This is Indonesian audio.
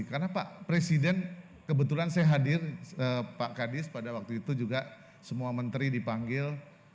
karena pak presiden kebetulan saya hadir pak kadis pada waktu itu juga semua menteri dipanggil